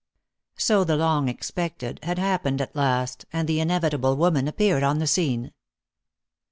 So the long expected had happened at last, and the inevitable woman appeared on the scene.